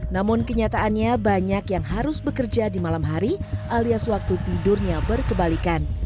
namun kenyataannya banyak yang harus bekerja di malam hari alias waktu tidurnya berkebalikan